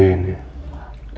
pengen keluar dari sini